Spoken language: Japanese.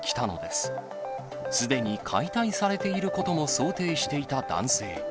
すでに解体されていることも想定していた男性。